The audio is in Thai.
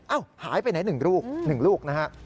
หายไปไหน๑ลูก๑ลูกนะฮะ